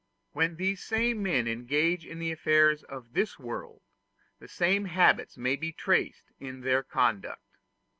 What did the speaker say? When these same men engage in the affairs of this world, the same habits may be traced in their conduct.